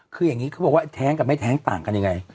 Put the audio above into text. คืออย่างนี้เขาบอกว่าแท้งกับไม่แท้งต่างกันยังไง